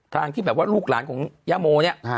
ทางที่แบบว่าลูกหลานของย่าโมเนี่ย